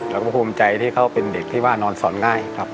แล้วก็ภูมิใจที่เขาเป็นเด็กที่ว่านอนสอนง่ายครับ